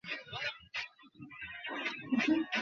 কাহারও অনিষ্ট না করিয়া তুমি কোন কাজ করিতে পার না।